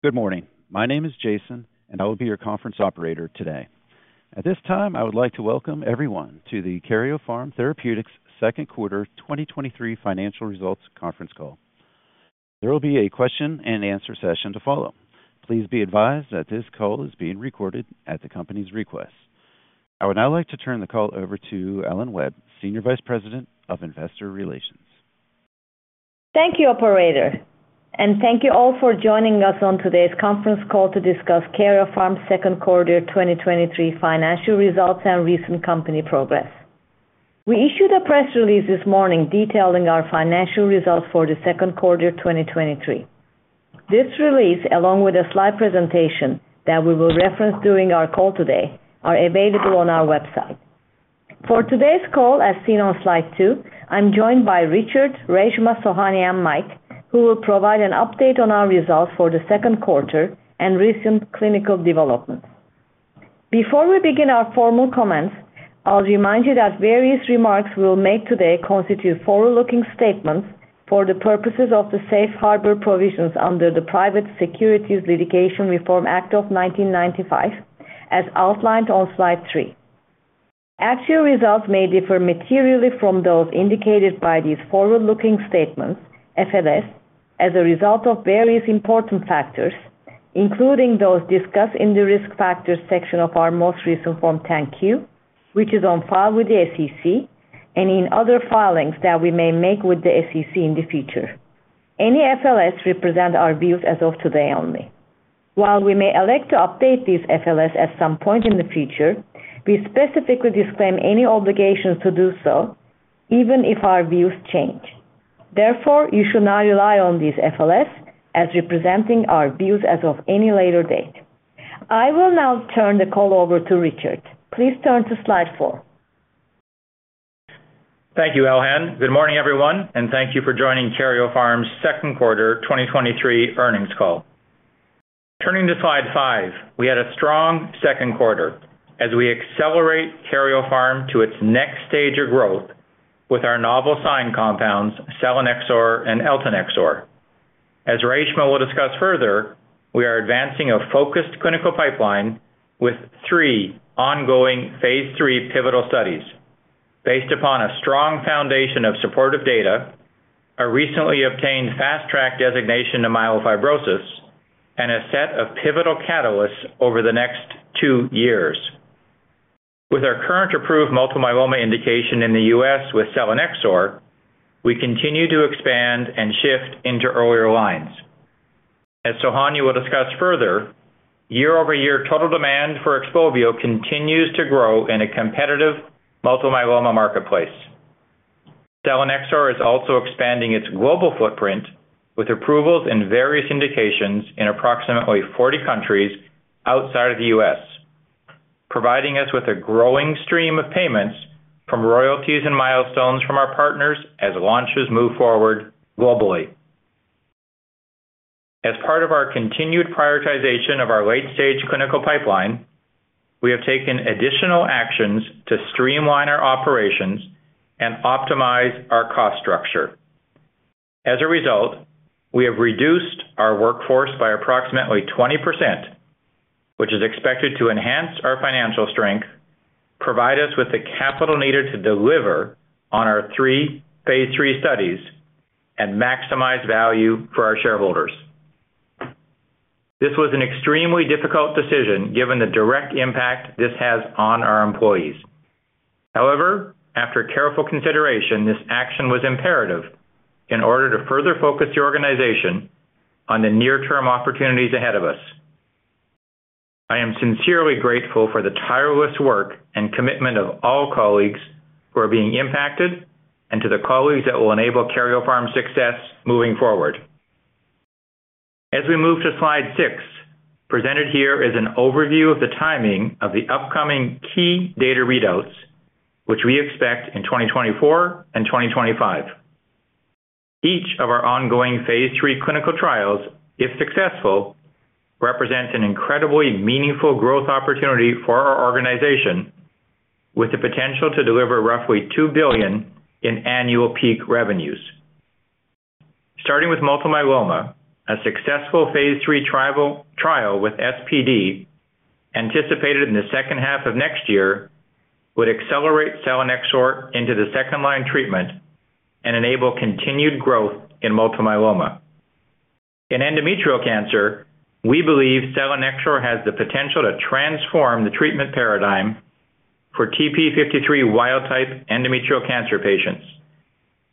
Good morning. My name is Jason, and I will be your conference operator today. At this time, I would like to welcome everyone to the Karyopharm Therapeutics second quarter 2023 financial results conference call. There will be a question and answer session to follow. Please be advised that this call is being recorded at the company's request. I would now like to turn the call over to Elan Webb, Senior Vice President of Investor Relations. Thank you, operator, thank you all for joining us on today's conference call to discuss Karyopharm's second quarter 2023 financial results and recent company progress. We issued a press release this morning detailing our financial results for the second quarter 2023. This release, along with a slide presentation that we will reference during our call today, are available on our website. For today's call, as seen on slide two, I'm joined by Richard, Reshma, Sohanya, and Mike, who will provide an update on our results for the second quarter and recent clinical developments. Before we begin our formal comments, I'll remind you that various remarks we will make today constitute forward-looking statements for the purposes of the Safe Harbor Provisions under the Private Securities Litigation Reform Act of 1995, as outlined on slide three. Actual results may differ materially from those indicated by these forward-looking statements, FLS, as a result of various important factors, including those discussed in the Risk Factors section of our most recent Form 10-Q, which is on file with the SEC, and in other filings that we may make with the SEC in the future. Any FLS represent our views as of today only. While we may elect to update these FLS at some point in the future, we specifically disclaim any obligations to do so, even if our views change. Therefore, you should not rely on these FLS as representing our views as of any later date. I will now turn the call over to Richard. Please turn to slide four. Thank you, Elan. Good morning, everyone, and thank you for joining Karyopharm's second quarter 2023 earnings call. Turning to slide five, we had a strong second quarter as we accelerate Karyopharm to its next stage of growth with our novel SINE compounds, selinexor and eltanexor. As Reshma will discuss further, we are advancing a focused clinical pipeline with three ongoing phase III pivotal studies based upon a strong foundation of supportive data, a recently obtained Fast Track designation to myelofibrosis, and a set of pivotal catalysts over the next two years. With our current approved multiple myeloma indication in the U.S. with selinexor, we continue to expand and shift into earlier lines. As Sohanya will discuss further, year-over-year total demand for Xpovio continues to grow in a competitive multiple myeloma marketplace. Selinexor is also expanding its global footprint with approvals in various indications in approximately 40 countries outside of the U.S., providing us with a growing stream of payments from royalties and milestones from our partners as launches move forward globally. As part of our continued prioritization of our late-stage clinical pipeline, we have taken additional actions to streamline our operations and optimize our cost structure. As a result, we have reduced our workforce by approximately 20%, which is expected to enhance our financial strength, provide us with the capital needed to deliver on our three phase III studies, and maximize value for our shareholders. This was an extremely difficult decision given the direct impact this has on our employees. After careful consideration, this action was imperative in order to further focus the organization on the near-term opportunities ahead of us. I am sincerely grateful for the tireless work and commitment of all colleagues who are being impacted and to the colleagues that will enable Karyopharm's success moving forward. As we move to slide six, presented here is an overview of the timing of the upcoming key data readouts, which we expect in 2024 and 2025. Each of our ongoing phase III clinical trials, if successful, represent an incredibly meaningful growth opportunity for our organization, with the potential to deliver roughly $2 billion in annual peak revenues. Starting with multiple myeloma, a successful phase III trial, trial with SPD, anticipated in the second half of next year, would accelerate selinexor into the second-line treatment and enable continued growth in multiple myeloma. In endometrial cancer, we believe Selinexor has the potential to transform the treatment paradigm for TP53 wild-type endometrial cancer patients,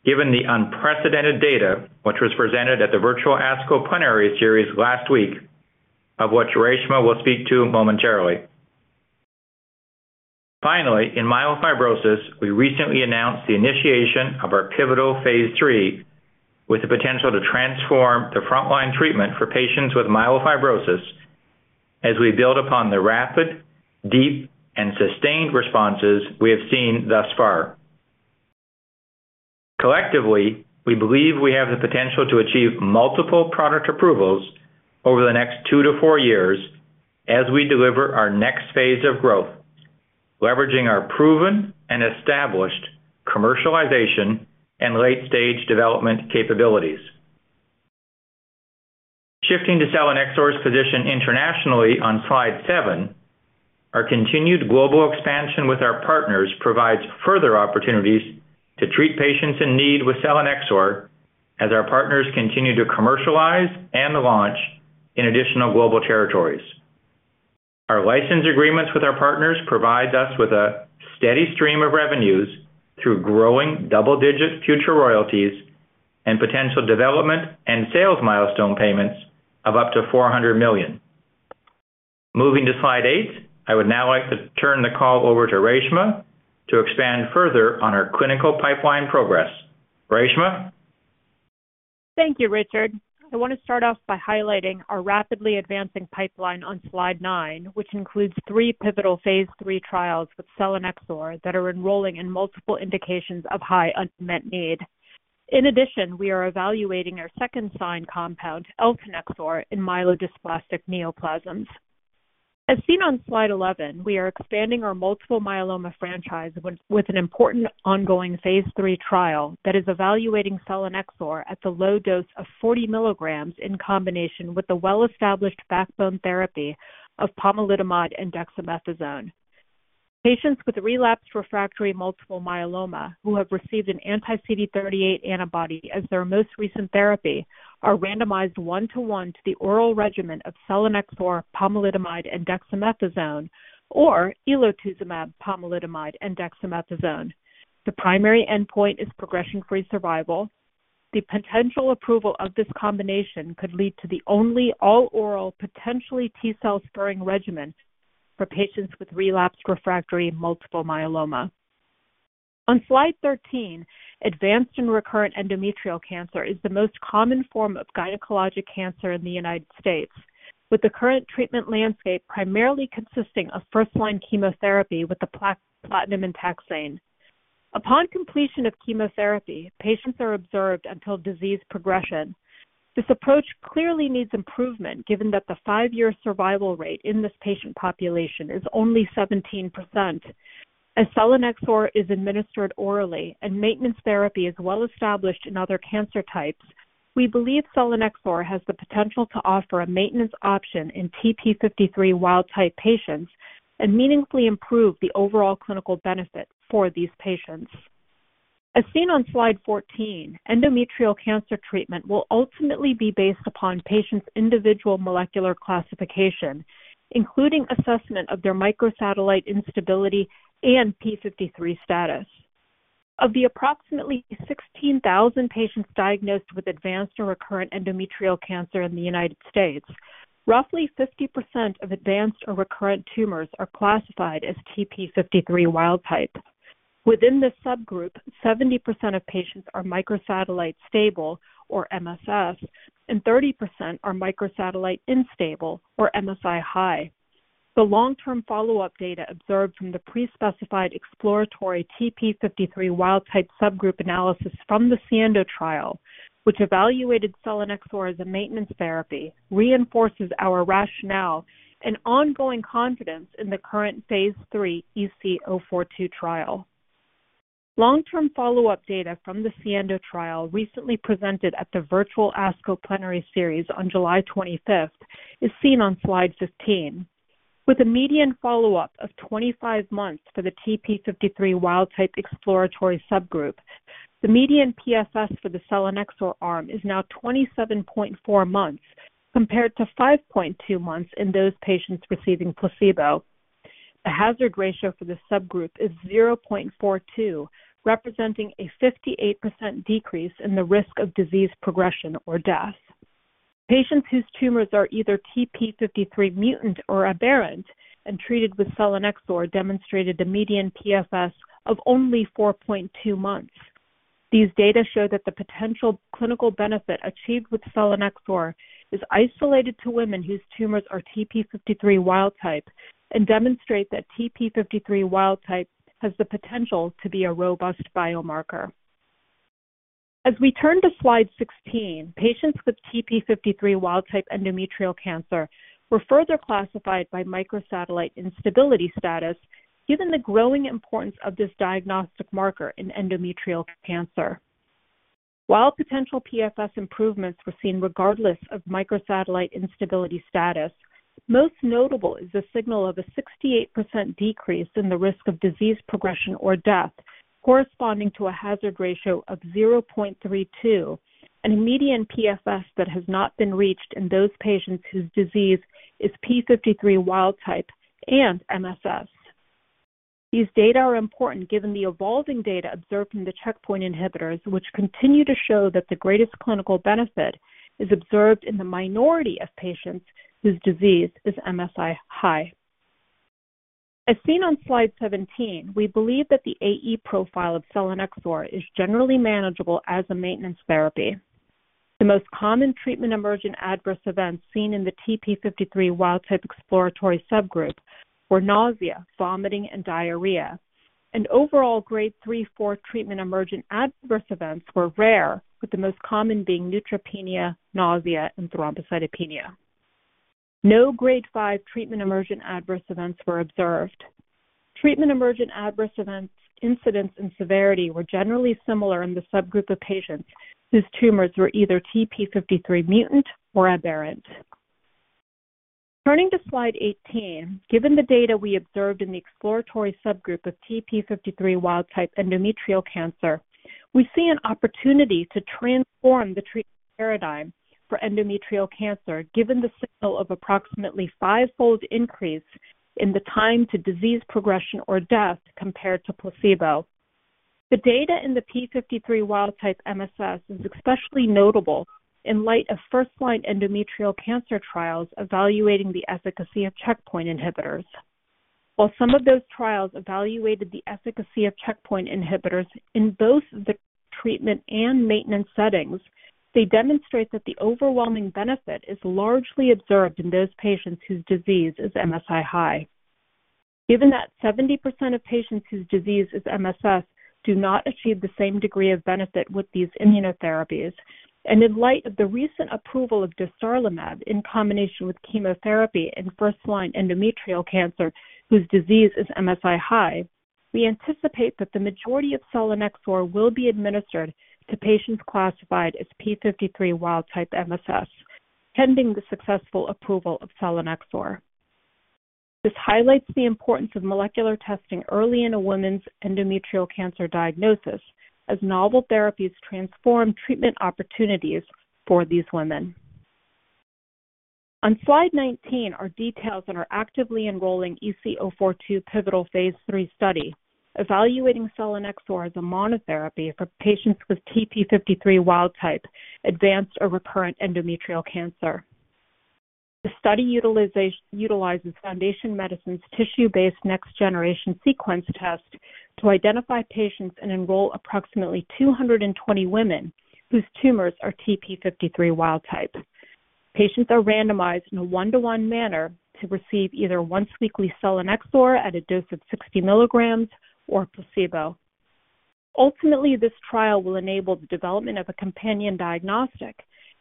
given the unprecedented data which was presented at the Virtual ASCO Plenary Series last week, of which Reshma will speak to momentarily. Finally, in myelofibrosis, we recently announced the initiation of our pivotal phase III, with the potential to transform the frontline treatment for patients with myelofibrosis as we build upon the rapid, deep, and sustained responses we have seen thus far. Collectively, we believe we have the potential to achieve multiple product approvals over the next two to four years as we deliver our next phase of growth. leveraging our proven and established commercialization and late-stage development capabilities. Shifting to Selinexor's position internationally on slide seven, our continued global expansion with our partners provides further opportunities to treat patients in need with selinexor, as our partners continue to commercialize and launch in additional global territories. Our license agreements with our partners provides us with a steady stream of revenues through growing double-digit future royalties and potential development and sales milestone payments of up to $400 million. Moving to slide eight, I would now like to turn the call over to Reshma to expand further on our clinical pipeline progress. Reshma? Thank you, Richard. I want to start off by highlighting our rapidly advancing pipeline on slide nine, which includes three pivotal phase III trials with selinexor that are enrolling in multiple indications of high unmet need. In addition, we are evaluating our second SINE compound, eltanexor, in myelodysplastic neoplasms. As seen on slide 11, we are expanding our multiple myeloma franchise with an important ongoing phase III trial that is evaluating selinexor at the low dose of 40 mg in combination with the well-established backbone therapy of pomalidomide and dexamethasone. Patients with relapsed refractory multiple myeloma, who have received an anti-CD38 antibody as their most recent therapy, are randomized one to one to the oral regimen of selinexor, pomalidomide, and dexamethasone, or elotuzumab, pomalidomide, and dexamethasone. The primary endpoint is progression-free survival. The potential approval of this combination could lead to the only all-oral, potentially T-cell spurring regimen for patients with relapsed refractory multiple myeloma. On slide 13, advanced and recurrent endometrial cancer is the most common form of gynecologic cancer in the United States, with the current treatment landscape primarily consisting of first-line chemotherapy with the platinum and taxane. Upon completion of chemotherapy, patients are observed until disease progression. This approach clearly needs improvement, given that the 5-year survival rate in this patient population is only 17%. As selinexor is administered orally and maintenance therapy is well established in other cancer types, we believe selinexor has the potential to offer a maintenance option in TP53 wild-type patients and meaningfully improve the overall clinical benefit for these patients. As seen on slide 14, endometrial cancer treatment will ultimately be based upon patients' individual molecular classification, including assessment of their microsatellite instability and TP53 status. Of the approximately 16,000 patients diagnosed with advanced or recurrent endometrial cancer in the United States, roughly 50% of advanced or recurrent tumors are classified as TP53 wild-type. Within this subgroup, 70% of patients are microsatellite stable, or MSS, and 30% are microsatellite unstable, or MSI-high. The long-term follow-up data observed from the pre-specified exploratory TP53 wild-type subgroup analysis from the SIENDO trial, which evaluated selinexor as a maintenance therapy, reinforces our rationale and ongoing confidence in the current phase III EC-042 trial. Long-term follow-up data from the SIENDO trial, recently presented at the virtual ASCO Plenary Series on July 25th, is seen on slide 15. With a median follow-up of 25 months for the TP53 wild-type exploratory subgroup, the median PFS for the selinexor arm is now 27.4 months, compared to 5.2 months in those patients receiving placebo. The hazard ratio for this subgroup is 0.42, representing a 58% decrease in the risk of disease progression or death. Patients whose tumors are either TP53 mutant or aberrant and treated with selinexor demonstrated a median PFS of only 4.2 months. These data show that the potential clinical benefit achieved with selinexor is isolated to women whose tumors are TP53 wild-type and demonstrate that TP53 wild-type has the potential to be a robust biomarker. As we turn to slide 16, patients with TP53 wild-type endometrial cancer were further classified by microsatellite instability status, given the growing importance of this diagnostic marker in endometrial cancer. While potential PFS improvements were seen regardless of microsatellite instability status, most notable is the signal of a 68% decrease in the risk of disease progression or death, corresponding to a hazard ratio of 0.32 and a median PFS that has not been reached in those patients whose disease is P53 wild-type and MSS. These data are important given the evolving data observed from the checkpoint inhibitors, which continue to show that the greatest clinical benefit is observed in the minority of patients whose disease is MSI-high. As seen on slide 17, we believe that the AE profile of selinexor is generally manageable as a maintenance therapy. The most common treatment-emergent adverse events seen in the TP53 wild-type exploratory subgroup were nausea, vomiting, and diarrhea. Overall, Grade 3, 4 treatment-emergent adverse events were rare, with the most common being neutropenia, nausea, and thrombocytopenia. No Grade 5 treatment-emergent adverse events were observed. Treatment-emergent adverse events, incidence, and severity were generally similar in the subgroup of patients whose tumors were either TP53 mutant or aberrant. Turning to slide 18, given the data we observed in the exploratory subgroup of TP53 wild-type endometrial cancer, we see an opportunity to transform the treatment paradigm for endometrial cancer, given the signal of approximately fivefold increase in the time to disease progression or death compared to placebo. The data in the TP53 wild-type MSS is especially notable in light of first-line endometrial cancer trials evaluating the efficacy of checkpoint inhibitors. While some of those trials evaluated the efficacy of checkpoint inhibitors in both the treatment and maintenance settings, they demonstrate that the overwhelming benefit is largely observed in those patients whose disease is MSI-high. Given that 70% of patients whose disease is MSS do not achieve the same degree of benefit with these immunotherapies, and in light of the recent approval of dostarlimab in combination with chemotherapy in first-line endometrial cancer, whose disease is MSI-high, we anticipate that the majority of selinexor will be administered to patients classified as TP53 wild-type MSS, pending the successful approval of selinexor. This highlights the importance of molecular testing early in a woman's endometrial cancer diagnosis as novel therapies transform treatment opportunities for these women. On slide 19 are details that are actively enrolling EC-042 pivotal phase III study, evaluating selinexor as a monotherapy for patients with TP53 wild-type, advanced or recurrent endometrial cancer. The study utilizes Foundation Medicine's tissue-based next-generation sequencing test to identify patients and enroll approximately 220 women whose tumors are TP53 wild-type. Patients are randomized in a one to one manner to receive either once-weekly selinexor at a dose of 60 mg or placebo. Ultimately, this trial will enable the development of a companion diagnostic,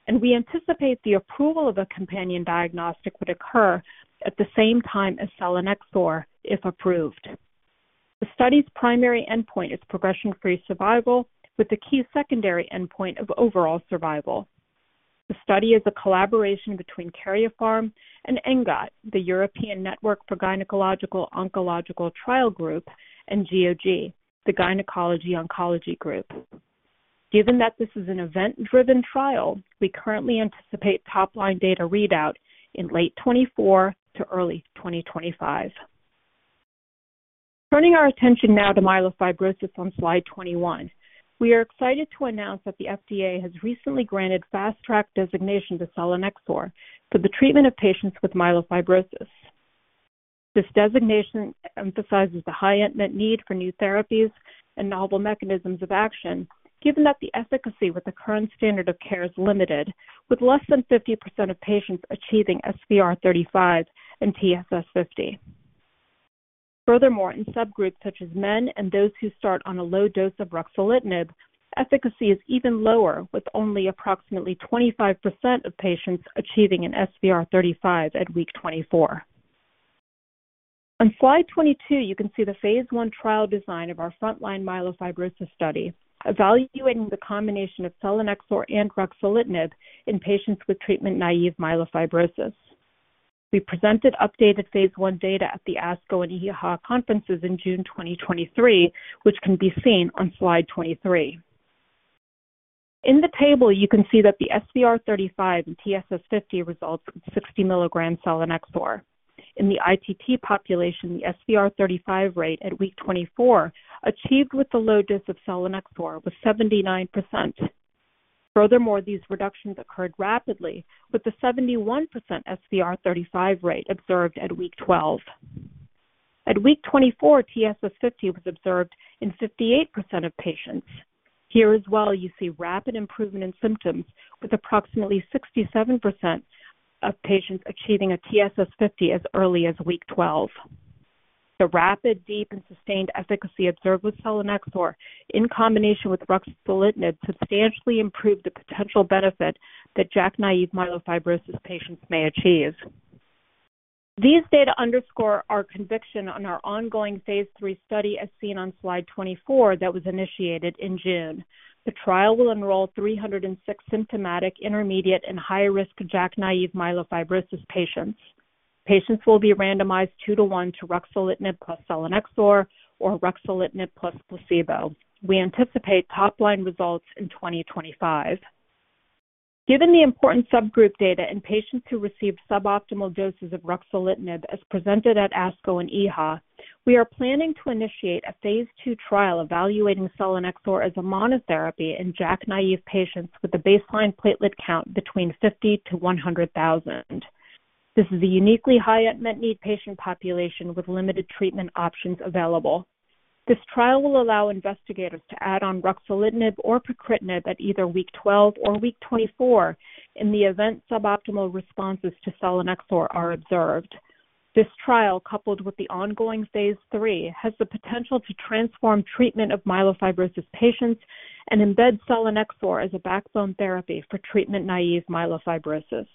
and we anticipate the approval of a companion diagnostic would occur at the same time as selinexor, if approved. The study's primary endpoint is progression-free survival, with a key secondary endpoint of overall survival. The study is a collaboration between Karyopharm and ENGOT, the European Network for Gynaecological Oncological Trial groups, and GOG, the Gynecologic Oncology Group. Given that this is an event-driven trial, we currently anticipate top-line data readout in late 2024 to early 2025. Turning our attention now to myelofibrosis on slide 21. We are excited to announce that the FDA has recently granted Fast Track designation to selinexor for the treatment of patients with myelofibrosis. This designation emphasizes the high unmet need for new therapies and novel mechanisms of action, given that the efficacy with the current standard of care is limited, with less than 50% of patients achieving SVR35 and TSS50. Furthermore, in subgroups such as men and those who start on a low dose of ruxolitinib, efficacy is even lower, with only approximately 25% of patients achieving an SVR35 at week 24. On slide 22, you can see the phase 1 trial design of our frontline myelofibrosis study, evaluating the combination of selinexor and ruxolitinib in patients with treatment-naive myelofibrosis. We presented updated phase 1 data at the ASCO and EHA conferences in June 2023, which can be seen on slide 23. In the table, you can see that the SVR35 and TSS50 results from 60 milligram selinexor. In the ITT population, the SVR35 rate at week 24, achieved with the low dose of selinexor, was 79%. Furthermore, these reductions occurred rapidly, with the 71% SVR35 rate observed at week 12. At week 24, TSS50 was observed in 58% of patients. Here as well, you see rapid improvement in symptoms, with approximately 67% of patients achieving a TSS50 as early as week 12. The rapid, deep and sustained efficacy observed with selinexor in combination with ruxolitinib, substantially improved the potential benefit that JAK-naive myelofibrosis patients may achieve. These data underscore our conviction on our ongoing phase 3 study, as seen on slide 24, that was initiated in June. The trial will enroll 306 symptomatic, intermediate, and high-risk JAK-naive myelofibrosis patients. Patients will be randomized 2 to 1 to ruxolitinib plus selinexor or ruxolitinib plus placebo. We anticipate top-line results in 2025. Given the important subgroup data in patients who received suboptimal doses of ruxolitinib as presented at ASCO and EHA, we are planning to initiate a phase 2 trial evaluating selinexor as a monotherapy in JAK-naive patients with a baseline platelet count between 50,000-100,000. This is a uniquely high unmet need patient population with limited treatment options available. This trial will allow investigators to add on ruxolitinib or pacritinib at either week 12 or week 24 in the event suboptimal responses to selinexor are observed. This trial, coupled with the ongoing phase 3, has the potential to transform treatment of myelofibrosis patients and embed selinexor as a backbone therapy for treatment-naive myelofibrosis.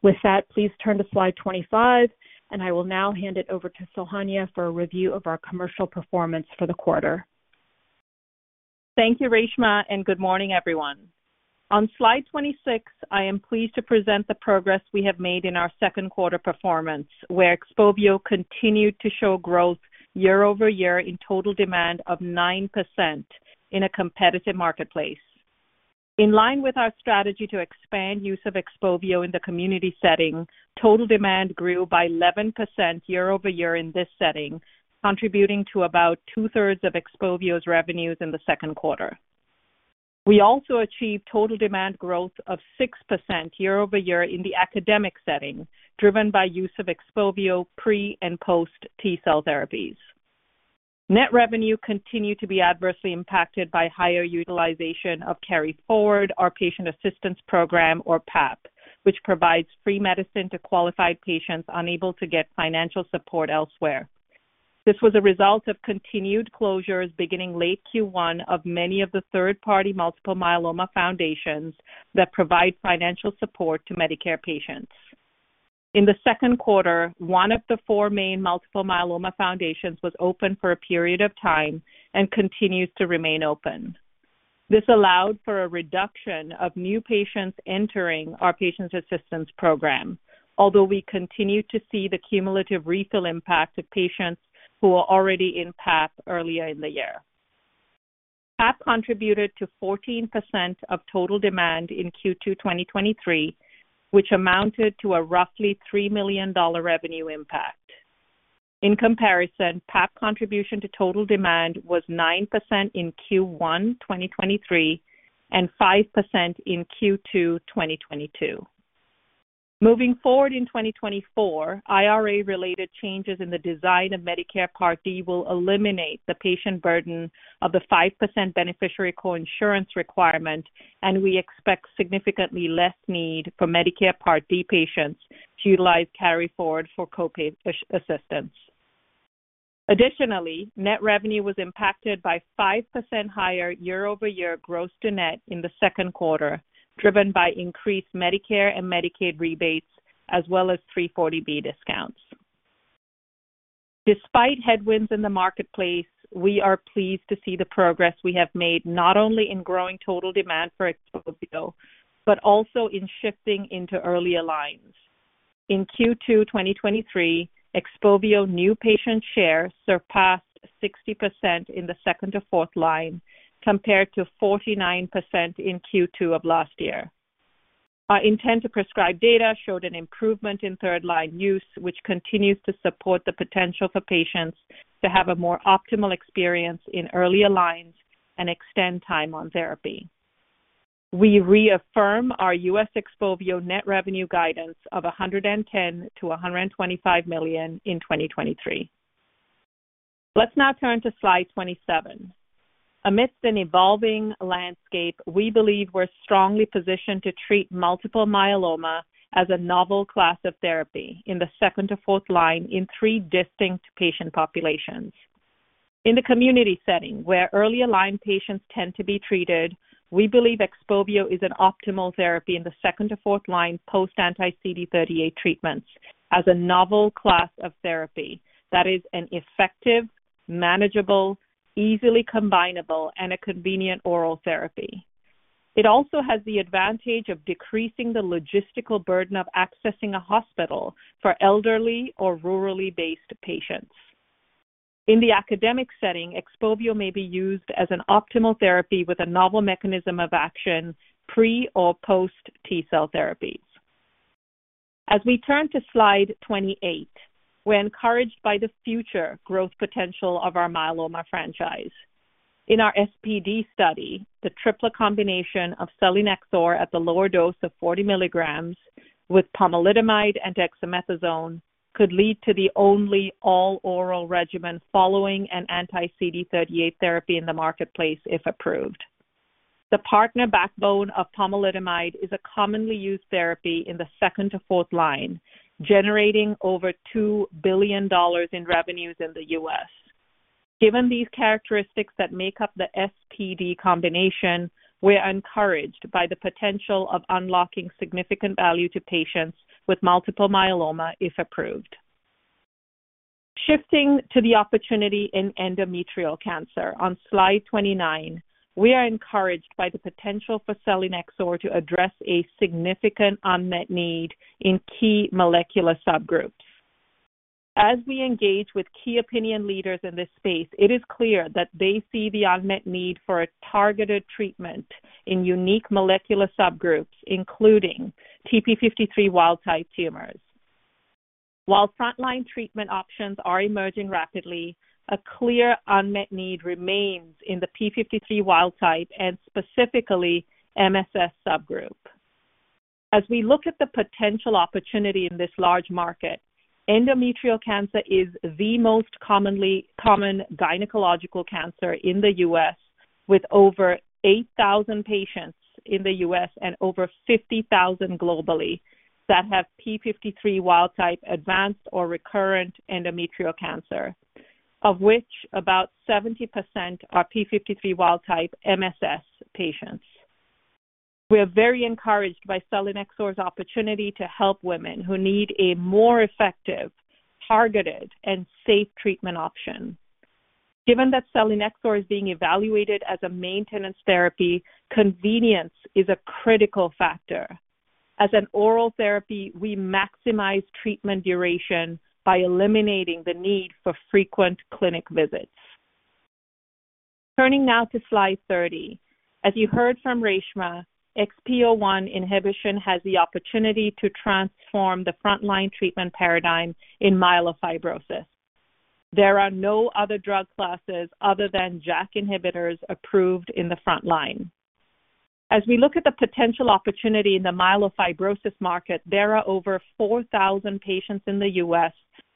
With that, please turn to slide 25, I will now hand it over to Sohanya for a review of our commercial performance for the quarter. Thank you, Reshma, and good morning, everyone. On slide 26, I am pleased to present the progress we have made in our second quarter performance, where Xpovio continued to show growth year-over-year in total demand of 9% in a competitive marketplace. In line with our strategy to expand use of Xpovio in the community setting, total demand grew by 11% year-over-year in this setting, contributing to about two-thirds of Xpovio's revenues in the second quarter. We also achieved total demand growth of 6% year-over-year in the academic setting, driven by use of Xpovio pre and post T-cell therapies. Net revenue continued to be adversely impacted by higher utilization of KaryForward, our patient assistance program, or PAP, which provides free medicine to qualified patients unable to get financial support elsewhere. This was a result of continued closures beginning late Q1 of many of the third-party multiple myeloma foundations that provide financial support to Medicare patients. In the second quarter, one of the four main multiple myeloma foundations was open for a period of time and continues to remain open. This allowed for a reduction of new patients entering our patients assistance program, although we continue to see the cumulative refill impact of patients who were already in PAP earlier in the year. PAP contributed to 14% of total demand in Q2 2023, which amounted to a roughly $3 million revenue impact. In comparison, PAP contribution to total demand was 9% in Q1 2023 and 5% in Q2 2022. Moving forward in 2024, IRA-related changes in the design of Medicare Part D will eliminate the patient burden of the 5% beneficiary coinsurance requirement, and we expect significantly less need for Medicare Part D patients to utilize KaryForward for copay assistance. Additionally, net revenue was impacted by 5% higher year-over-year gross-to-net in the second quarter, driven by increased Medicare and Medicaid rebates, as well as 340B discounts. Despite headwinds in the marketplace, we are pleased to see the progress we have made, not only in growing total demand for Xpovio, but also in shifting into earlier lines. In Q2 2023, Xpovio new patient share surpassed 60% in the second to fourth line, compared to 49% in Q2 of last year. Our intent to prescribe data showed an improvement in third line use, which continues to support the potential for patients to have a more optimal experience in earlier lines and extend time on therapy. We reaffirm our U.S. Xpovio net revenue guidance of $110 million-$125 million in 2023. Let's now turn to slide 27. Amidst an evolving landscape, we believe we're strongly positioned to treat multiple myeloma as a novel class of therapy in the second to fourth line in three distinct patient populations. In the community setting, where earlier line patients tend to be treated, we believe Xpovio is an optimal therapy in the second to fourth line post anti-CD38 treatments as a novel class of therapy that is an effective, manageable, easily combinable, and a convenient oral therapy. It also has the advantage of decreasing the logistical burden of accessing a hospital for elderly or rurally based patients. In the academic setting, Xpovio may be used as an optimal therapy with a novel mechanism of action pre or post T-cell therapies. As we turn to slide 28, we're encouraged by the future growth potential of our myeloma franchise. In our SPD study, the triple combination of selinexor at the lower dose of 40 mg with pomalidomide and dexamethasone could lead to the only all-oral regimen following an anti-CD38 therapy in the marketplace, if approved. The partner backbone of pomalidomide is a commonly used therapy in the second to fourth line, generating over $2 billion in revenues in the US. Given these characteristics that make up the SPD combination, we're encouraged by the potential of unlocking significant value to patients with multiple myeloma if approved. Shifting to the opportunity in endometrial cancer. On slide 29, we are encouraged by the potential for selinexor to address a significant unmet need in key molecular subgroups. As we engage with key opinion leaders in this space, it is clear that they see the unmet need for a targeted treatment in unique molecular subgroups, including TP53 wild-type tumors. While frontline treatment options are emerging rapidly, a clear unmet need remains in the P53 wild-type and specifically MSS subgroup. As we look at the potential opportunity in this large market, endometrial cancer is the most commonly common gynecological cancer in the U.S., with over 8,000 patients in the U.S. and over 50,000 globally that have P53 wild-type, advanced or recurrent endometrial cancer, of which about 70% are P53 wild-type MSS patients. We are very encouraged by selinexor's opportunity to help women who need a more effective, targeted, and safe treatment option. Given that selinexor is being evaluated as a maintenance therapy, convenience is a critical factor. As an oral therapy, we maximize treatment duration by eliminating the need for frequent clinic visits. Turning now to slide 30. As you heard from Reshma, XPO1 inhibition has the opportunity to transform the frontline treatment paradigm in myelofibrosis. There are no other drug classes other than JAK inhibitors approved in the front line. We look at the potential opportunity in the myelofibrosis market, there are over 4,000 patients in the U.S.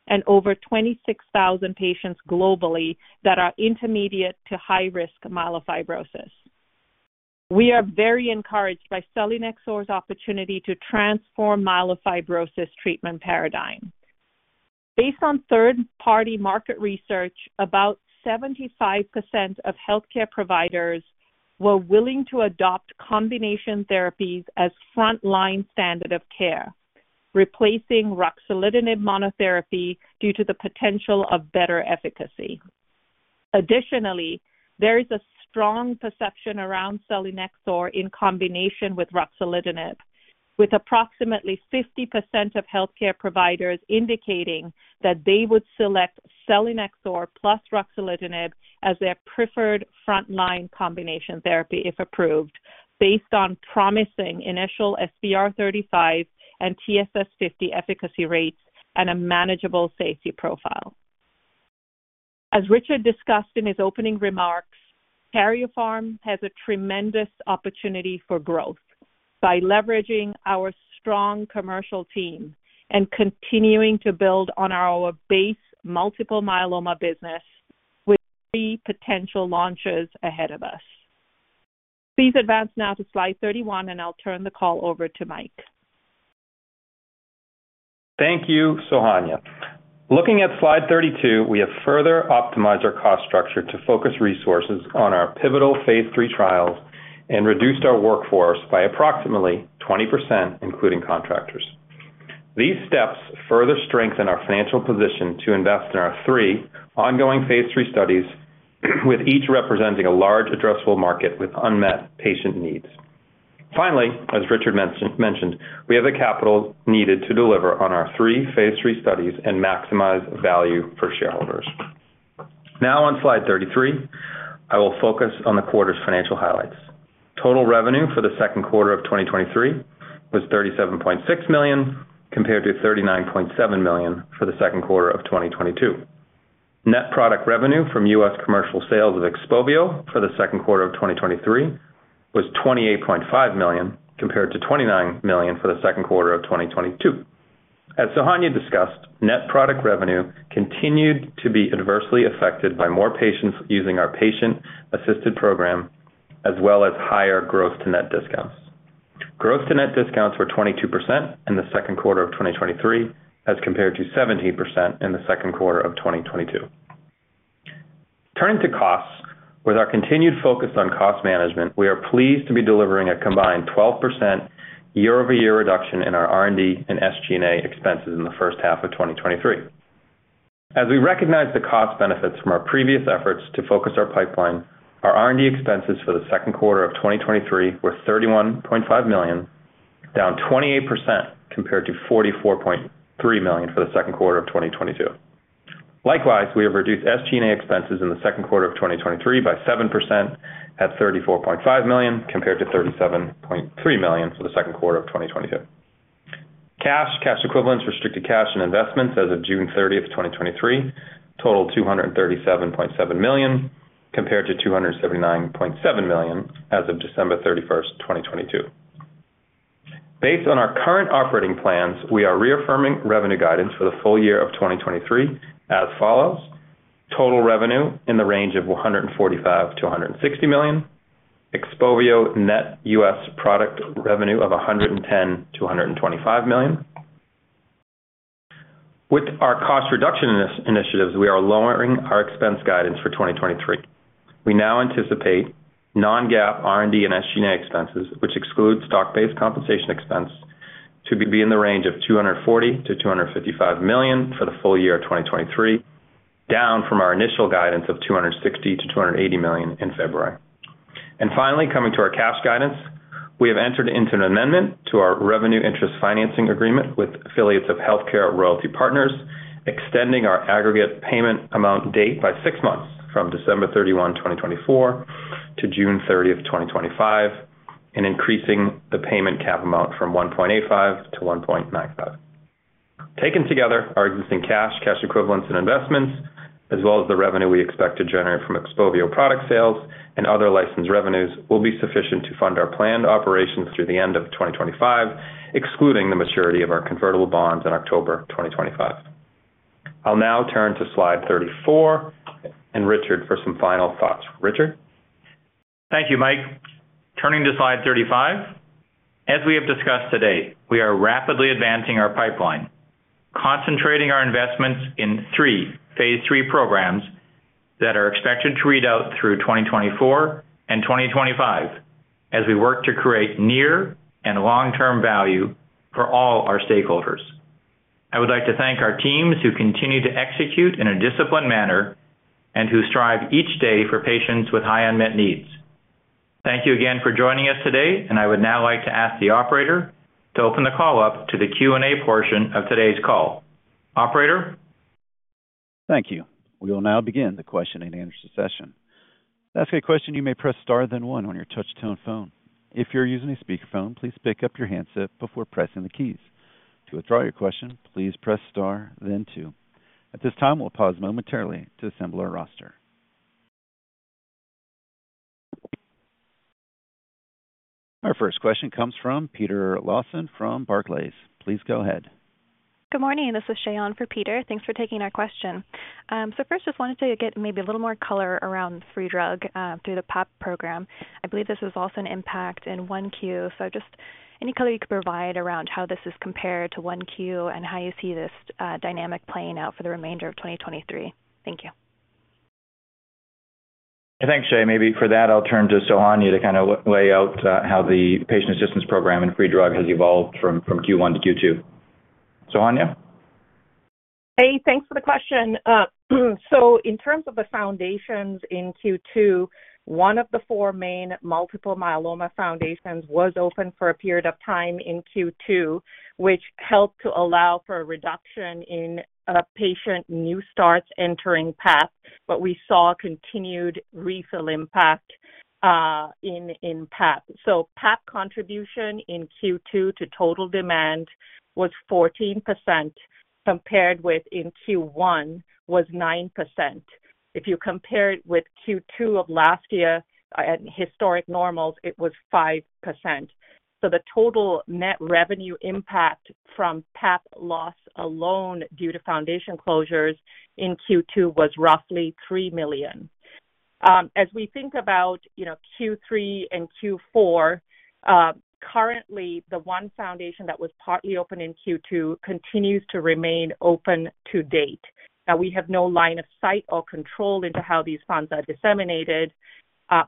and over 26,000 patients globally that are intermediate to high risk myelofibrosis. We are very encouraged by selinexor's opportunity to transform myelofibrosis treatment paradigm. Based on third-party market research, about 75% of healthcare providers were willing to adopt combination therapies as frontline standard of care, replacing ruxolitinib monotherapy due to the potential of better efficacy. Additionally, there is a strong perception around selinexor in combination with ruxolitinib, with approximately 50% of healthcare providers indicating that they would select selinexor plus ruxolitinib as their preferred frontline combination therapy, if approved, based on promising initial SVR35 and TSS50 efficacy rates and a manageable safety profile. As Richard discussed in his opening remarks, Karyopharm has a tremendous opportunity for growth by leveraging our strong commercial team and continuing to build on our base multiple myeloma business with three potential launches ahead of us. Please advance now to slide 31, and I'll turn the call over to Mike. Thank you, Sohanya. Looking at slide 32, we have further optimized our cost structure to focus resources on our pivotal phase III trials and reduced our workforce by approximately 20%, including contractors. These steps further strengthen our financial position to invest in our three ongoing phase III studies, with each representing a large addressable market with unmet patient needs. Finally, as Richard mentioned, we have the capital needed to deliver on our three phase III studies and maximize value for shareholders. Now on slide 33, I will focus on the quarter's financial highlights. Total revenue for the second quarter of 2023 was $37.6 million, compared to $39.7 million for the second quarter of 2022. Net product revenue from US commercial sales of Xpovio for the second quarter of 2023 was $28.5 million, compared to $29 million for the second quarter of 2022. As Sohanya discussed, net product revenue continued to be adversely affected by more patients using our patient-assisted program, as well as higher gross-to-net discounts. Gross-to-net discounts were 22% in the second quarter of 2023, as compared to 17% in the second quarter of 2022. Turning to costs, with our continued focus on cost management, we are pleased to be delivering a combined 12% year-over-year reduction in our R&D and SG&A expenses in the first half of 2023. As we recognize the cost benefits from our previous efforts to focus our pipeline, our R&D expenses for the second quarter of 2023 were $31.5 million, down 28% compared to $44.3 million for the second quarter of 2022. Likewise, we have reduced SG&A expenses in the second quarter of 2023 by 7% at $34.5 million, compared to $37.3 million for the second quarter of 2022. Cash, cash equivalents, restricted cash and investments as of June 30, 2023, totaled $237.7 million, compared to $279.7 million as of December 31st, 2022. Based on our current operating plans, we are reaffirming revenue guidance for the full year of 2023 as follows: Total revenue in the range of $145 million-$160 million. Xpovio net US product revenue of $110 million-$125 million. With our cost reduction initiatives, we are lowering our expense guidance for 2023. We now anticipate non-GAAP, R&D and SG&A expenses, which excludes stock-based compensation expense, to be in the range of $240 million-$255 million for the full year of 2023, down from our initial guidance of $260 million-$280 million in February. Finally, coming to our cash guidance, we have entered into an amendment to our revenue interest financing agreement with affiliates of HealthCare Royalty Partners, extending our aggregate payment amount date by 6 months from December 31, 2024, to June 30, 2025, and increasing the payment cap amount from $1.85 to $1.95. Taken together, our existing cash, cash equivalents and investments, as well as the revenue we expect to generate from Xpovio product sales and other licensed revenues, will be sufficient to fund our planned operations through the end of 2025, excluding the maturity of our convertible bonds in October 2025.... I'll now turn to slide 34 and Richard for some final thoughts. Richard? Thank you, Mike. Turning to slide 35. As we have discussed today, we are rapidly advancing our pipeline, concentrating our investments in 3 phase 3 programs that are expected to read out through 2024 and 2025 as we work to create near and long-term value for all our stakeholders. I would like to thank our teams who continue to execute in a disciplined manner and who strive each day for patients with high unmet needs. Thank you again for joining us today, and I would now like to ask the operator to open the call up to the Q&A portion of today's call. Operator? Thank you. We will now begin the question and answer session. To ask a question, you may press Star, then one on your touch-tone phone. If you're using a speakerphone, please pick up your handset before pressing the keys. To withdraw your question, please press Star, then two. At this time, we'll pause momentarily to assemble our roster. Our first question comes from Peter Lawson from Barclays. Please go ahead. Good morning, this is Shayan for Peter. Thanks for taking our question. First, just wanted to get maybe a little more color around free drug through the PAP program. I believe this was also an impact in Q1. Just any color you could provide around how this is compared to Q1 and how you see this dynamic playing out for the remainder of 2023. Thank you. Thanks, Shay. Maybe for that, I'll turn to Sohanya to kind of lay out how the patient assistance program and free drug has evolved from Q1 to Q2. Sohanya? Hey, thanks for the question. In terms of the foundations in Q2, one of the four main multiple myeloma foundations was open for a period of time in Q2, which helped to allow for a reduction in patient new starts entering PAP, but we saw a continued refill impact in PAP. PAP contribution in Q2 to total demand was 14%, compared with in Q1, was 9%. If you compare it with Q2 of last year at historic normals, it was 5%. The total net revenue impact from PAP loss alone due to foundation closures in Q2 was roughly $3 million. As we think about Q3 and Q4, currently, the one foundation that was partly open in Q2 continues to remain open to date. We have no line of sight or control into how these funds are disseminated,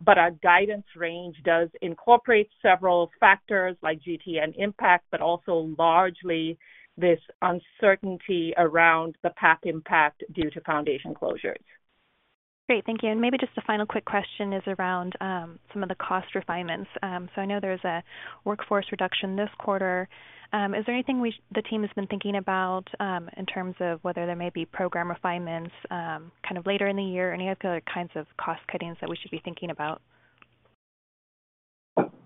but our guidance range does incorporate several factors like GT and impact, but also largely this uncertainty around the PAP impact due to foundation closures. Great, thank you. Maybe just a final quick question is around, some of the cost refinements. I know there's a workforce reduction this quarter. Is there anything the team has been thinking about, in terms of whether there may be program refinements, kind of later in the year? Any other kinds of cost cuttings that we should be thinking about?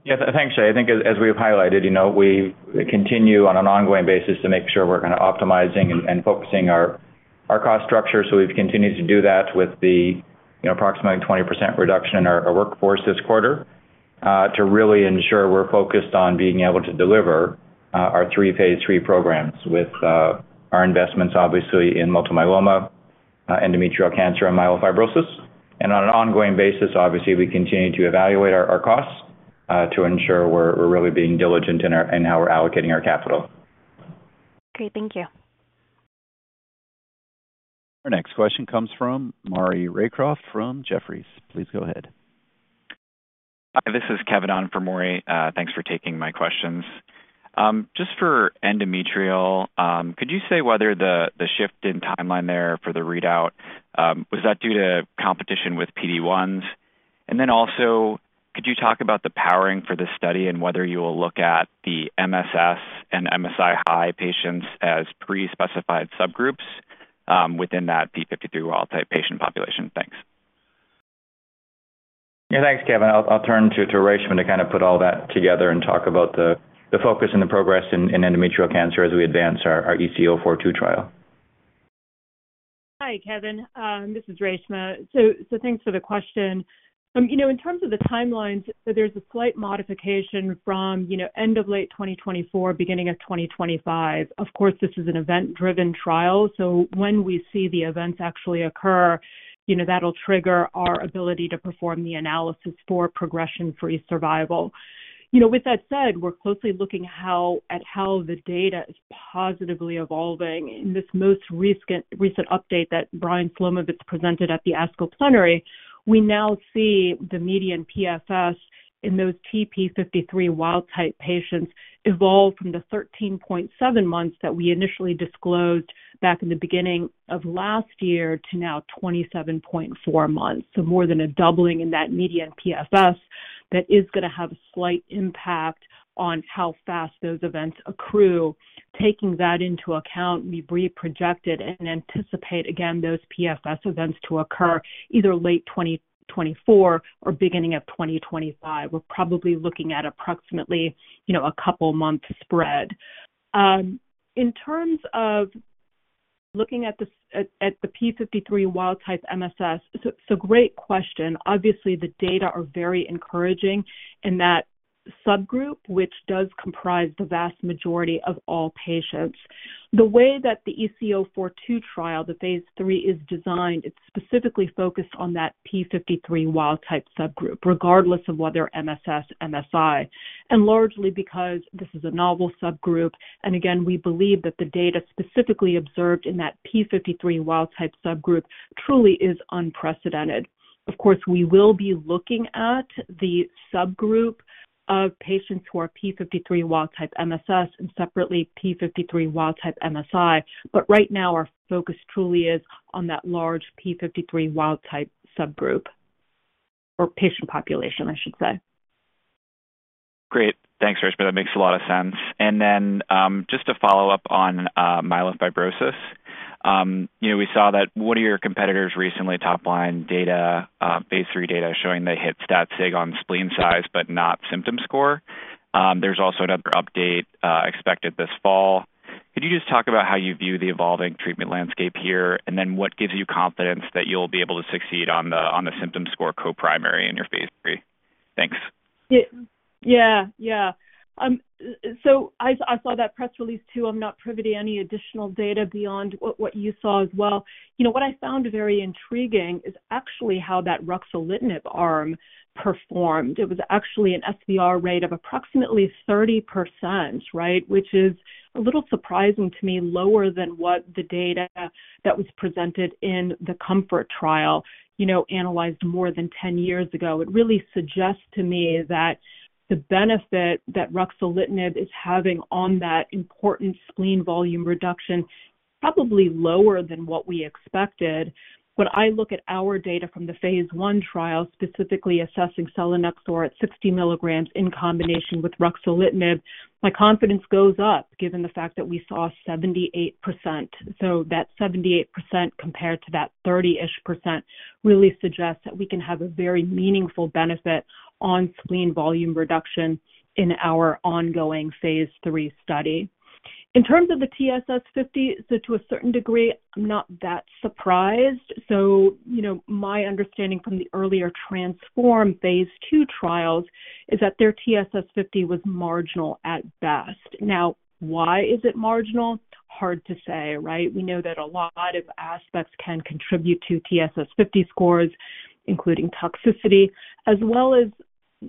Yes, thanks, Shayan. I think as, as we have highlighted, you know, we continue on an ongoing basis to make sure we're kinda optimizing and, and focusing our, our cost structure. we've continued to do that with the, you know, approximately 20% reduction in our, our workforce this quarter, to really ensure we're focused on being able to deliver, our three phase III programs with, our investments obviously in multiple myeloma, endometrial cancer, and myelofibrosis. on an ongoing basis, obviously, we continue to evaluate our, our costs, to ensure we're, we're really being diligent in our, in how we're allocating our capital. Great, thank you. Our next question comes from Maury Raycroft from Jefferies. Please go ahead. Hi, this is Kevin on for Maury. Thanks for taking my questions. Just for endometrial, could you say whether the, the shift in timeline there for the readout, was that due to competition with PD-1s? Also, could you talk about the powering for the study and whether you will look at the MSS and MSI-high patients as pre-specified subgroups, within that TP53 wild-type patient population? Thanks. Yeah, thanks, Kevin. I'll turn to Reshma to kind of put all that together and talk about the, the focus and the progress in, in endometrial cancer as we advance our EC-042 trial. Hi, Kevin. This is Reshma. Thanks for the question. You know, in terms of the timelines, there's a slight modification from, you know, end of late 2024, beginning of 2025. Of course, this is an event-driven trial, so when we see the events actually occur, you know, that'll trigger our ability to perform the analysis for progression-free survival. You know, with that said, we're closely looking at how the data is positively evolving. In this most recent update that Brian Slomovitz presented at the ASCO Plenary, we now see the median PFS in those TP53 wild-type patients evolve from the 13.7 months that we initially disclosed back in the beginning of last year to now 27.4 months. More than a doubling in that median PFS, that is gonna have a slight impact on how fast those events accrue. Taking that into account, we reprojected and anticipate, again, those PFS events to occur either late 2024 or beginning of 2025. We're probably looking at approximately, you know, a couple of months spread. In terms of looking at the TP53 wild-type MSS, great question. Obviously, the data are very encouraging in that subgroup, which does comprise the vast majority of all patients. The way that the EC-042 trial, the phase III, is designed, it's specifically focused on that TP53 wild-type subgroup, regardless of whether MSS, MSI, and largely because this is a novel subgroup. Again, we believe that the data specifically observed in that TP53 wild-type subgroup truly is unprecedented. Of course, we will be looking at the subgroup of patients who are TP53 wild-type MSS and separately TP53 wild-type MSI. Right now, our focus truly is on that large TP53 wild-type subgroup or patient population, I should say. Great. Thanks, Reshma. That makes a lot of sense. Just to follow up on myelofibrosis, you know, we saw that one of your competitors recently top-lined data, phase III data, showing they hit stat sig on spleen size, but not symptom score. There's also another update expected this fall. Could you just talk about how you view the evolving treatment landscape here, and then what gives you confidence that you'll be able to succeed on the, on the symptom score co-primary in your phase III? Thanks. Yeah. Yeah. I, I saw that press release, too. I'm not privy to any additional data beyond what, what you saw as well. You know, what I found very intriguing is actually how that ruxolitinib arm performed. It was actually an SVR rate of approximately 30%, right? Which is a little surprising to me, lower than what the data that was presented in the COMFORT trial, you know, analyzed more than 10 years ago. It really suggests to me that the benefit that ruxolitinib is having on that important spleen volume reduction, probably lower than what we expected. When I look at our data from the phase 1 trial, specifically assessing selinexor at 60 mg in combination with ruxolitinib, my confidence goes up, given the fact that we saw 78%. That 78% compared to that 30%-ish percent really suggests that we can have a very meaningful benefit on spleen volume reduction in our ongoing phase 3 study. In terms of the TSS50, to a certain degree, I'm not that surprised. You know, my understanding from the earlier TRANSFORM-1 phase II trials is that their TSS50 was marginal at best. Now, why is it marginal? Hard to say, right? We know that a lot of aspects can contribute to TSS50 scores, including toxicity as well as,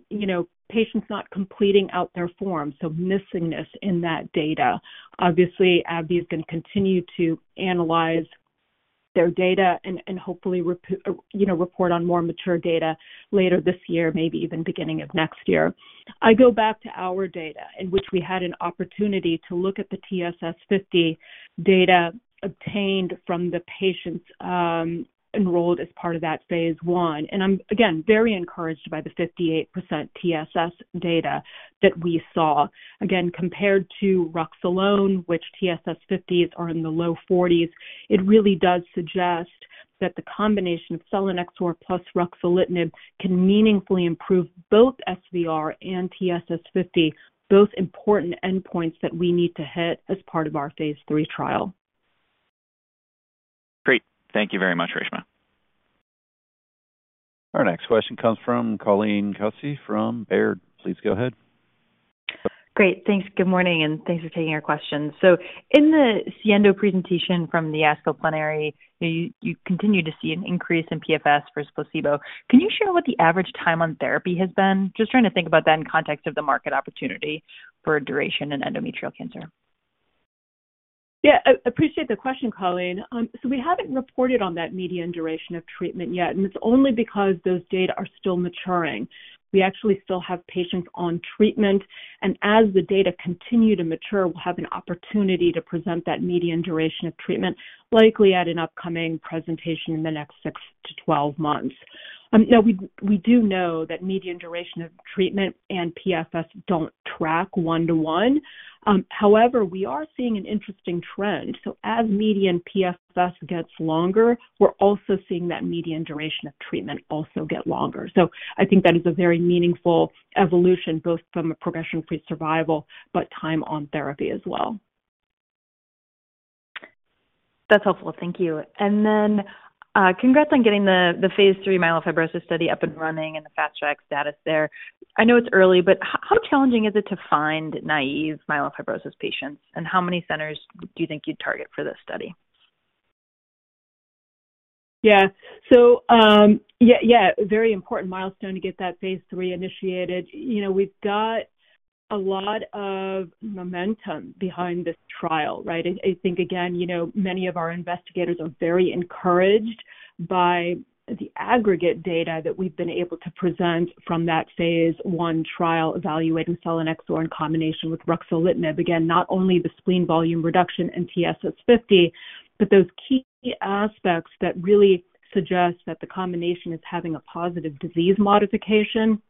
you know, patients not completing out their forms, so missingness in that data. Obviously, AbbVie is going to continue to analyze their data and hopefully, you know, report on more mature data later this year, maybe even beginning of next year. I go back to our data, in which we had an opportunity to look at the TSS50 data obtained from the patients, enrolled as part of that phase I. I'm, again, very encouraged by the 58% TSS data that we saw. Again, compared to Rux alone, which TSS50s are in the low 40s, it really does suggest that the combination of selinexor plus ruxolitinib can meaningfully improve both SVR and TSS50, both important endpoints that we need to hit as part of our phase III trial. Great. Thank you very much, Reshma. Our next question comes from Colleen Kelsey from Baird. Please go ahead. Great, thanks. Good morning, and thanks for taking our question. In the SIENDO presentation from the ASCO Plenary, you, you continue to see an increase in PFS versus placebo. Can you share what the average time on therapy has been? Just trying to think about that in context of the market opportunity for duration in endometrial cancer. Yeah, I, I appreciate the question, Colleen. We haven't reported on that median duration of treatment yet, and it's only because those data are still maturing. We actually still have patients on treatment, and as the data continue to mature, we'll have an opportunity to present that median duration of treatment, likely at an upcoming presentation in the next 6 to 12 months. Now, we, we do know that median duration of treatment and PFS don't track one to one. However, we are seeing an interesting trend. As median PFS gets longer, we're also seeing that median duration of treatment also get longer. I think that is a very meaningful evolution, both from a progression-free survival, but time on therapy as well. That's helpful. Thank you. Then, congrats on getting the phase III myelofibrosis study up and running and the Fast Track status there. I know it's early, but how challenging is it to find naive myelofibrosis patients, and how many centers do you think you'd target for this study? Yeah, yeah, very important milestone to get that phase III initiated. You know, we've got a lot of momentum behind this trial, right? I, I think, again, you know, many of our investigators are very encouraged by the aggregate data that we've been able to present from that phase 1 trial evaluating selinexor in combination with ruxolitinib. Again, not only the spleen volume reduction and TSS50, but those key aspects that really suggest that the combination is having a positive disease modification.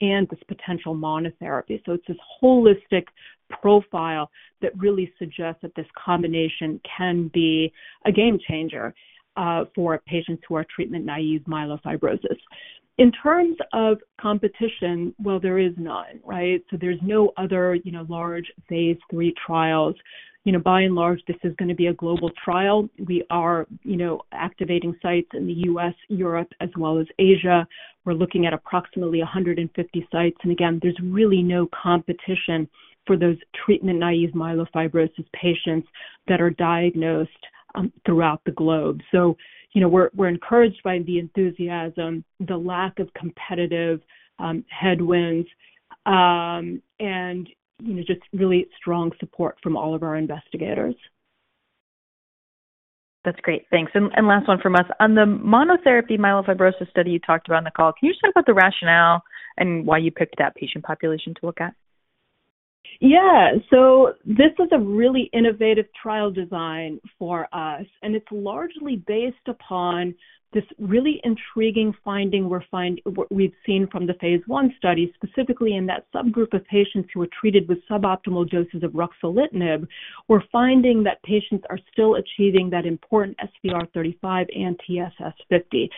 This potential monotherapy. It's this holistic profile that really suggests that this combination can be a game changer, for patients who are treatment-naive myelofibrosis. In terms of competition, well, there is none, right? There's no other, you know, large phase III trials. You know, by and large, this is gonna be a global trial. We are, you know, activating sites in the U.S., Europe, as well as Asia. We're looking at approximately 150 sites, and again, there's really no competition for those treatment-naive myelofibrosis patients that are diagnosed throughout the globe. You know, we're, we're encouraged by the enthusiasm, the lack of competitive headwinds, and, you know, just really strong support from all of our investigators. That's great. Thanks. And last one from us. On the monotherapy myelofibrosis study you talked about on the call, can you just talk about the rationale and why you picked that patient population to look at? This is a really innovative trial design for us, and it's largely based upon this really intriguing finding we've seen from the phase I study, specifically in that subgroup of patients who were treated with suboptimal doses of ruxolitinib. We're finding that patients are still achieving that important SVR35 and TSS50.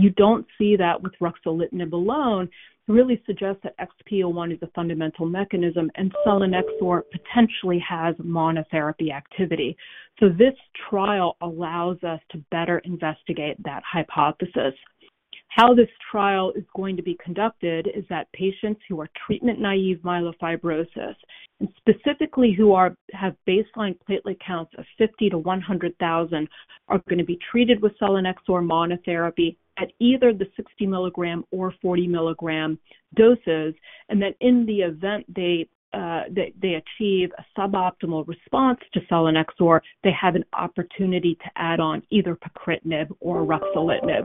You don't see that with ruxolitinib alone. It really suggests that XPO1 is a fundamental mechanism, and selinexor potentially has monotherapy activity. This trial allows us to better investigate that hypothesis. How this trial is going to be conducted is that patients who are treatment-naive myelofibrosis, and specifically who are, have baseline platelet counts of 50,000-100,000, are gonna be treated with selinexor monotherapy at either the 60 mg or 40 mg doses, and then in the event they, they, they achieve a suboptimal response to selinexor, they have an opportunity to add on either pacritinib or ruxolitinib.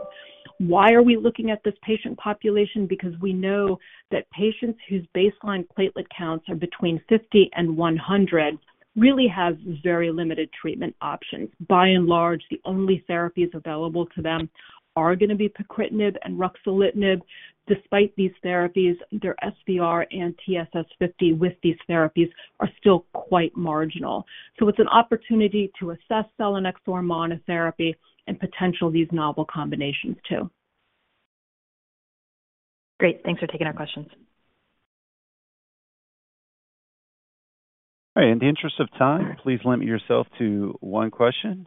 Why are we looking at this patient population? Because we know that patients whose baseline platelet counts are between 50 and 100 really have very limited treatment options. By and large, the only therapies available to them are gonna be pacritinib and ruxolitinib. Despite these therapies, their SVR and TSS 50 with these therapies are still quite marginal. It's an opportunity to assess selinexor monotherapy and potential these novel combinations too. Great. Thanks for taking our questions. All right, in the interest of time, please limit yourself to one question.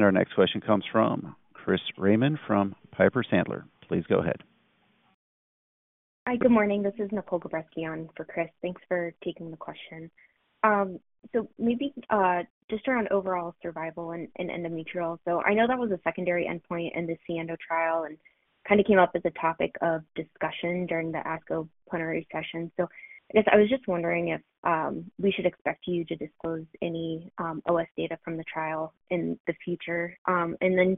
Our next question comes from Chris Raymond from Piper Sandler. Please go ahead. Hi, good morning. This is Nicole Gabreski for Chris. Thanks for taking the question. Maybe, just around overall survival in, in endometrial. I know that was a secondary endpoint in the SIENDO trial and kind of came up as a topic of discussion during the ASCO Plenary Session. I guess I was just wondering if we should expect you to disclose any OS data from the trial in the future. Then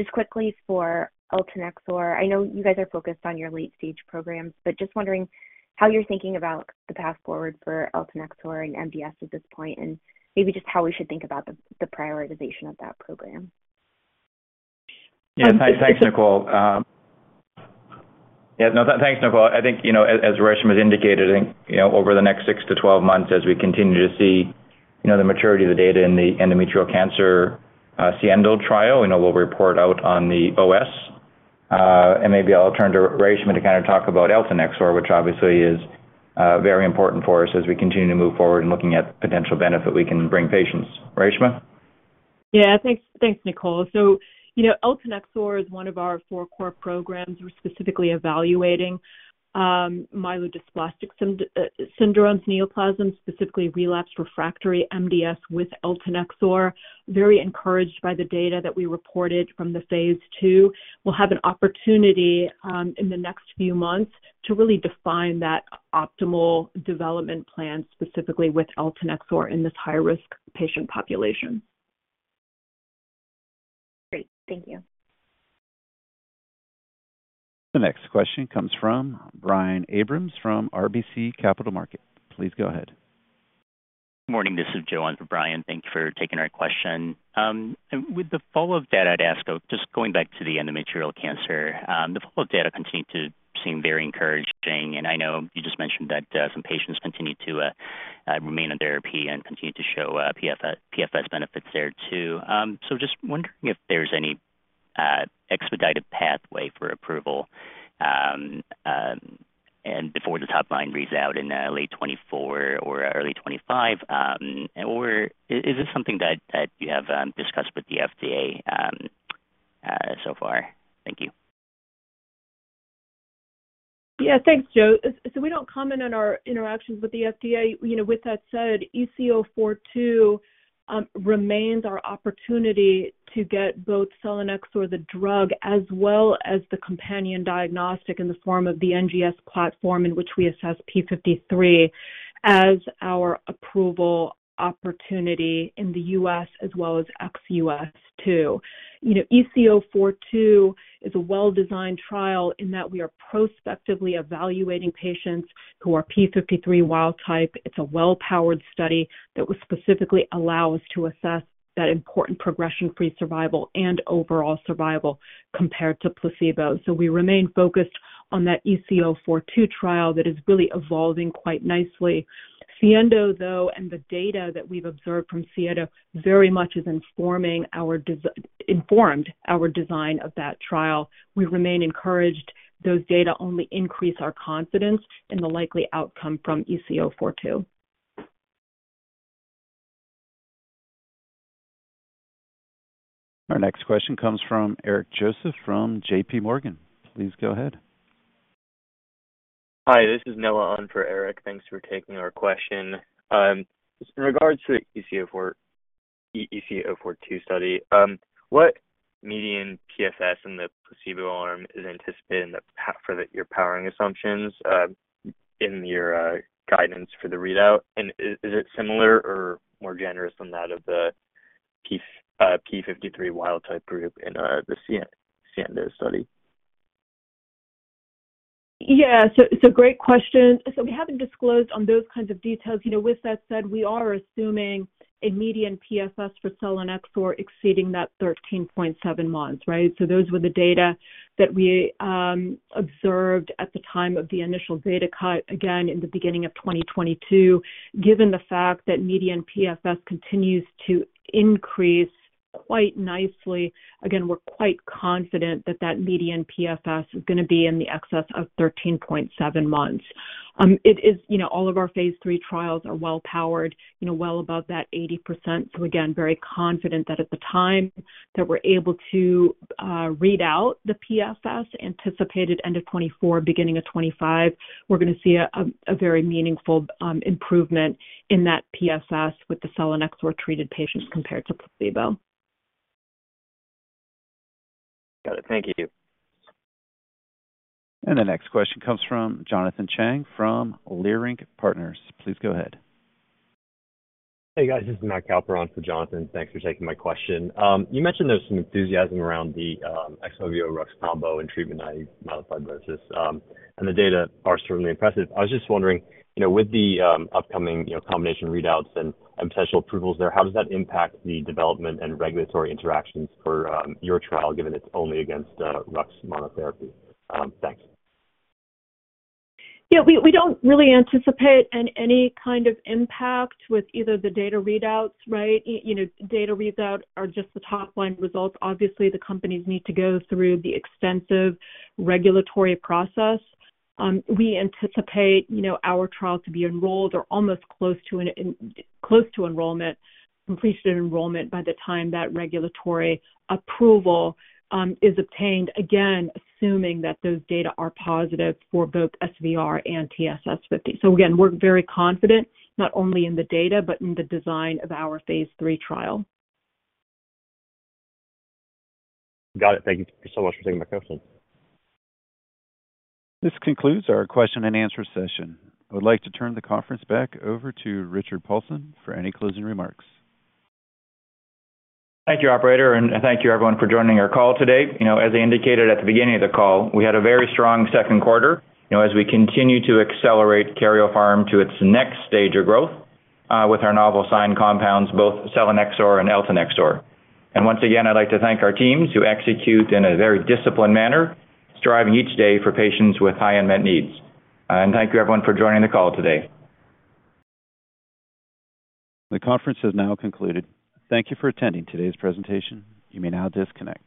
just quickly for Eltanexor, I know you guys are focused on your late-stage programs, but just wondering how you're thinking about the path forward for eltanexor and MDS at this point, and maybe just how we should think about the, the prioritization of that program? Yeah. Thanks, Nicole. Yeah, no, thanks, Nicole. I think, you know, as, as Reshma has indicated, you know, over the next 6 to 12 months, as we continue to see, you know, the maturity of the data in the endometrial cancer, SIENDO trial, I know we'll report out on the OS. Maybe I'll turn to Reshma to kind of talk about Eltanexor, which obviously is very important for us as we continue to move forward in looking at potential benefit we can bring patients. Reshma? Yeah. Thanks, thanks, Nicole. You know, Eltanexor is one of our four core programs. We're specifically evaluating myelodysplastic syndromes, neoplasms, specifically relapsed refractory MDS with Eltanexor. Very encouraged by the data that we reported from the phase II. We'll have an opportunity in the next few months to really define that optimal development plan, specifically with Eltanexor in this high-risk patient population. Great. Thank you. The next question comes from Brian Abrahams from RBC Capital Markets. Please go ahead. Good morning. This is Joe on for Brian. Thank you for taking our question. With the follow-up data at ASCO, just going back to the endometrial cancer, the follow-up data continue to seem very encouraging, and I know you just mentioned that some patients continue to remain on therapy and continue to show PFS, PFS benefits there too. Just wondering if there's any expedited pathway for approval, and before the top line reads out in late 2024 or early 2025, or is this something that you have discussed with the FDA so far? Thank you. Yeah, thanks, Joe. We don't comment on our interactions with the FDA. You know, with that said, EC-042 remains our opportunity to get both selinexor, the drug, as well as the companion diagnostic in the form of the NGS platform, in which we assess TP53 as our approval opportunity in the U.S. as well as ex-U.S., too. You know, EC-042 is a well-designed trial in that we are prospectively evaluating patients who are TP53 wild-type. It's a well-powered study that will specifically allow us to assess that important progression-free survival and overall survival compared to placebo. We remain focused on that EC-042 trial that is really evolving quite nicely. SIENDO, though, and the data that we've observed from SIENDO very much is informed our design of that trial. We remain encouraged. Those data only increase our confidence in the likely outcome from EC-042. Our next question comes from Eric Joseph, from JPMorgan. Please go ahead. Hi, this is Noah on for Eric. Thanks for taking our question. In regards to the EC-042 study, what median PFS in the placebo arm is anticipated for your powering assumptions in your guidance for the readout? Is it similar or more generous than that of the P53 wild-type group in the SIENDO study? Great question. We haven't disclosed on those kinds of details. You know, with that said, we are assuming a median PFS for selinexor exceeding that 13.7 months, right? Those were the data that we observed at the time of the initial data cut, again, in the beginning of 2022. Given the fact that median PFS continues to increase quite nicely, again, we're quite confident that that median PFS is gonna be in the excess of 13.7 months. It is, you know, all of our phase III trials are well-powered, you know, well above that 80%. Again, very confident that at the time that we're able to read out the PFS, anticipated end of 2024, beginning of 2025, we're gonna see a very meaningful improvement in that PFS with the selinexor-treated patients compared to placebo. Got it. Thank you. The next question comes from Jonathan Chang from Leerink Partners. Please go ahead. Hey, guys. This is Matt Calperon for Jonathan. Thanks for taking my question. You mentioned there's some enthusiasm around the Xpovio Rux combo and treatment naive myelofibrosis, and the data are certainly impressive. I was just wondering, you know, with the upcoming, you know, combination readouts and potential approvals there, how does that impact the development and regulatory interactions for your trial, given it's only against Rux monotherapy? Thanks. Yeah, we, we don't really anticipate an any kind of impact with either the data readouts, right? you know, data readouts are just the top-line results. Obviously, the companies need to go through the extensive regulatory process. we anticipate, you know, our trial to be enrolled or almost close to enrollment, completion of enrollment by the time that regulatory approval, is obtained, again, assuming that those data are positive for both SVR and TSS-50. Again, we're very confident, not only in the data, but in the design of our phase III trial. Got it. Thank you so much for taking my question. This concludes our question and answer session. I would like to turn the conference back over to Richard Paulson for any closing remarks. Thank you, operator, and thank you, everyone, for joining our call today. You know, as I indicated at the beginning of the call, we had a very strong second quarter, you know, as we continue to accelerate Karyopharm to its next stage of growth, with our novel SINE compounds, both selinexor and Eltanexor. Once again, I'd like to thank our teams who execute in a very disciplined manner, striving each day for patients with high unmet needs. Thank you, everyone, for joining the call today. The conference has now concluded. Thank you for attending today's presentation. You may now disconnect.